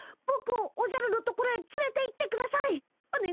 ぼくをおじゃるのところへつれていってください。